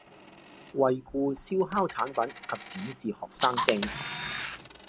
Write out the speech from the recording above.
惠顧燒烤產品及展示學生證